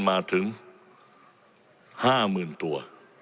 มาถึง๕๐๐๐ตัว